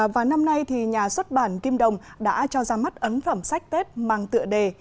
và năm nay thì nhà xuất bản kim đồng đã cho ra mắt ấn phẩm sách tết mang tựa đề